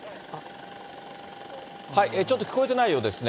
ちょっと聞こえてないようですね。